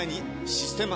「システマ」